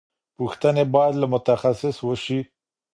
پوښتنې باید له متخصص وشي.